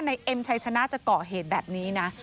เอ็มชัยชนะจะเกาะเหตุแบบนี้นะ